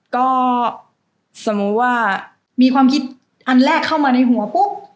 ก็สมมุติว่ามีความคิดอันแรกเข้ามาในหัวปุ๊บ